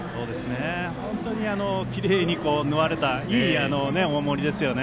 本当にきれいに縫われたいいお守りですね。